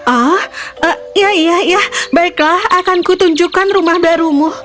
oh ya ya ya baiklah akan ku tunjukkan rumah barumu